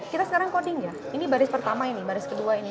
kita sekarang coding ya ini baris pertama ini baris kedua ini